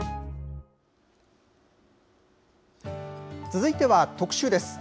続いては特集です。